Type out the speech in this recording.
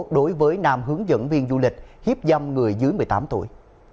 đối với nam hướng dẫn viên du lịch hiếp dâm người dưới một mươi tám tuổi